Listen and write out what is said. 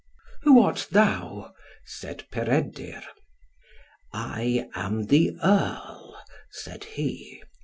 "Who art thou?" said Peredur. "I am the earl," said he.